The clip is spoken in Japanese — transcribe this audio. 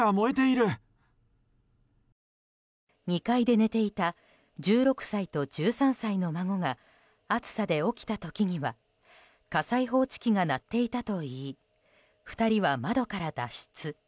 ２階で寝ていた１６歳と１３歳の孫が熱さで起きた時には火災報知機が鳴っていたといい２人は窓から脱出。